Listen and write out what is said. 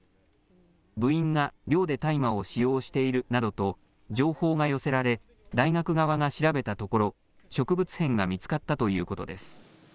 部員が寮で大麻を使用しているなどと情報が寄せられ大学側が調べたところ植物片が見つかったということです。